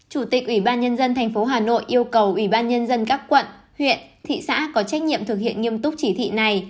chủ tịch ủy ban nhân dân tp hà nội yêu cầu ủy ban nhân dân các quận huyện thị xã có trách nhiệm thực hiện nghiêm túc chỉ thị này